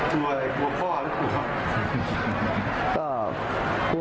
กลัวอะไรกลัวพ่อหรือเปล่า